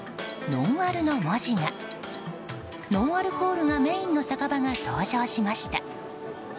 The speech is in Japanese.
ノンアルコールがメインの酒場が登場しました。